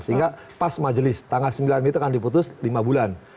sehingga pas majelis tanggal sembilan itu akan diputus lima bulan